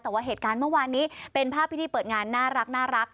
แต่ว่าเหตุการณ์เมื่อวานนี้เป็นภาพพิธีเปิดงานน่ารัก